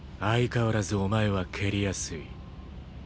相変わらずお前は蹴りやすい。